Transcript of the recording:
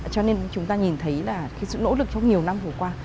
cho nên chúng ta nhìn thấy là cái sự nỗ lực trong nhiều năm vừa qua